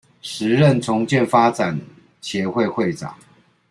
時任重建發展協會會長